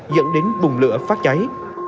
dẫn đến bùng lửa phát cháy